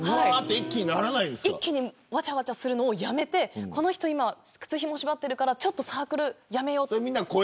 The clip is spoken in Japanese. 一気にわちゃわちゃするのをやめて靴ひも縛ってるからサークルやめようって。